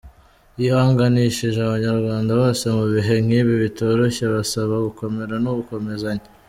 Yihanganishije abanyarwanda bose mu bihe nk’ibi bitoroshye abasaba gukomera no gukomezanya.